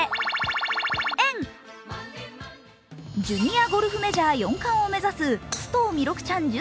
ジュニアゴルフメジャー４冠を目指す須藤弥勒ちゃん